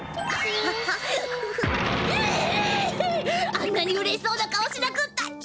あんなにうれしそうな顔しなくったって。